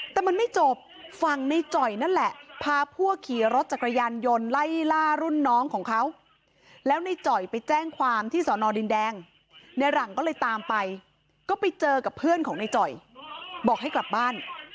แต่มันไม่จบฝั่งในจ่อยนั่นแหละพาพวกขี่รถจักรยานยนต์ไล่ล่ารุ่นน้องของเขาแล้วในจ่อยไปแจ้งความที่สอนอดินแดงในหลังก็เลยตามไปก็ไปเจอกับเพื่อนของในจ่อยบอกให้กลับบ้าน